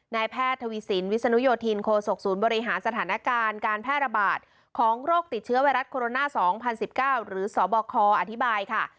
แพทย์ทวีสินวิศนุโยธินโคศกศูนย์บริหารสถานการณ์การแพร่ระบาดของโรคติดเชื้อไวรัสโคโรนา๒๐๑๙หรือสบคอธิบายค่ะ